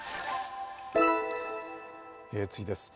次です。